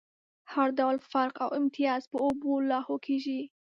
هر ډول فرق او امتياز په اوبو لاهو کېږي.